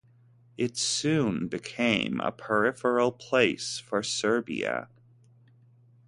It soon became a peripheral place for Serbia.